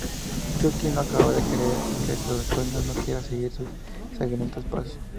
Chucky no acaba de creer que su retoño no quiera seguir sus sangrientos pasos.